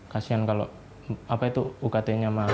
kasihan kalau apa itu ukt nya mahal